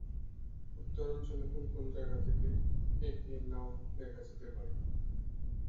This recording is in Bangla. উত্তরাঞ্চলের কোন কোন জায়গা থেকে একে নাও দেখা যেতে পারে।